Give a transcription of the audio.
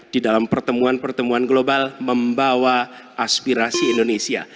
di dalam pertemuan pertemuan global membawa aspirasi indonesia